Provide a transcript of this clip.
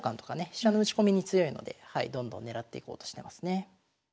飛車の打ち込みに強いのでどんどん狙っていこうとしてますね。